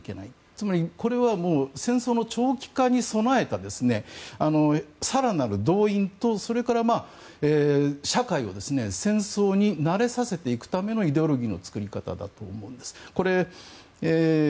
つまりこれは戦争の長期化に備えた更なる動員とそれから社会を戦争に慣れさせていくためのイデオロギーの作り方だと思うんです。